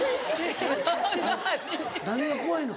何が怖いの？